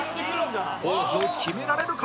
ポーズを決められるか？